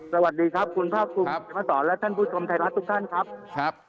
สวัสดีครับคุณภาคภูมิมาสอนและท่านผู้ชมไทยรัฐทุกท่านครับครับ